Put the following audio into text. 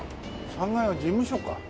３階は事務所か。